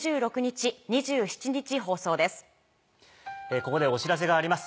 ここでお知らせがあります。